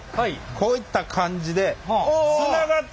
こういった感じで長っ！？